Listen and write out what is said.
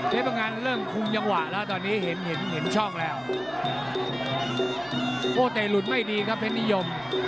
เพราะฉะนั้นเรื่องคุณยังหวะแล้วตอนนี้เห็นเห็นเห็นช่องแล้วโอ้แต่หลุดไม่ดีครับเพศนิยม